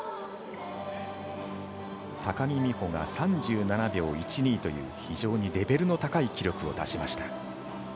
高木美帆が３７秒１２という非常にレベルの高い記録を出しました。